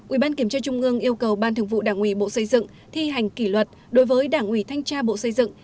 ủy ban kiểm tra trung ương yêu cầu ban thường vụ đảng ủy bộ xây dựng thi hành kỷ luật đối với đảng ủy thanh tra bộ xây dựng